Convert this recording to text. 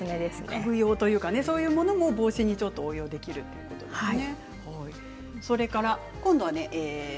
家具用というかそういうものも帽子に応用できるということですね。